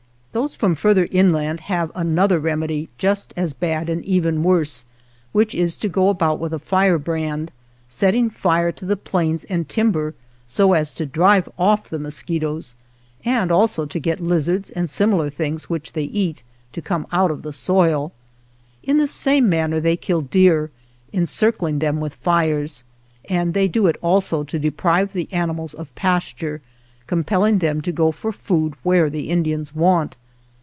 Those from further inland have another 92 ALVAR NUNEZ CABEZA DE VACA remedy, just as bad and even worse, which is to go about with a firebrand, set ting fire to the plains and timber so as to drive off the mosquitoes, and also to get lizards and similar things Which they eat, to come out of the soil. In the same manner they kill deer, encircling them with fires, and they do it also to deprive the animals of pasture, compelling them to go for food where the Indians want.